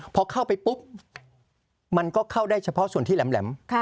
พอเข้าไปปุ๊บมันก็เข้าได้เฉพาะส่วนที่แหลม